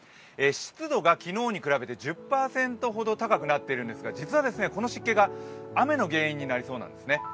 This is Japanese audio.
湿度が昨日に比べて１０％ほど高くなっているんですが実はこの湿気が雨の原因になりそうなんですね。